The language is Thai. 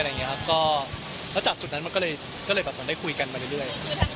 พอสับออกจากนั้นเขาก็เลยแบบว่าเราได้คุยกันมาเรื่อย